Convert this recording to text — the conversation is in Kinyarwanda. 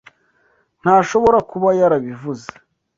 Ntashobora kuba yarabivuze.